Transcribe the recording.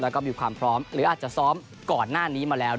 แล้วก็มีความพร้อมหรืออาจจะซ้อมก่อนหน้านี้มาแล้ว